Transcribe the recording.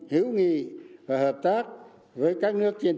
hữu nghị và hợp tác với các nước trên